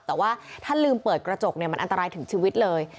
แต่ว่าถ้าลืมเปิดกระจกเนี่ยมันอันตรายถึงชีวิตเลย